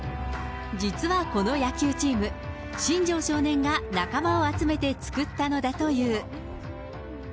実はこの野球チーム、新庄少年が仲間を集めて作ったのだという。